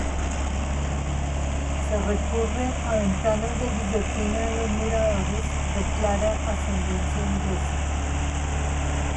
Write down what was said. Se recurre a ventanas de guillotina en los miradores, de clara ascendencia inglesa.